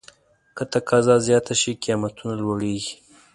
که تقاضا زیاته شي، قیمتونه لوړېږي.